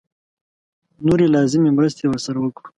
نورې لازمې مرستې ورسره وکړو.